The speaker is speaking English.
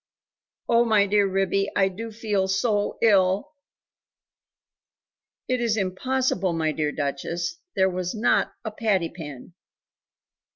Oh, my dear Ribby, I do feel so ill!" "It is impossible, my dear Duchess; there was not a patty pan."